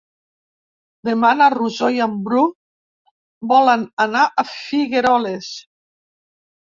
Demà na Rosó i en Bru volen anar a Figueroles.